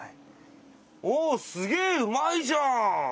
おすげぇうまいじゃん！